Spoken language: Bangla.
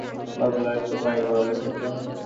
গল্পগুলি আর লিখতে পারিনি বলে দুঃখিত।